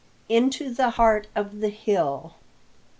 INTO THE HEART OF THE HILL.